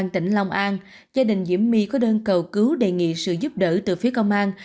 công an tỉnh lòng an gia đình diễm my có đơn cầu cứu đề nghị sự giúp đỡ từ phía công an